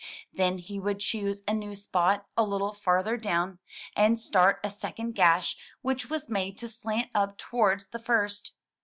Then he would choose a new spot a little farther down, and start a second gash, which was made to slant up towards the first.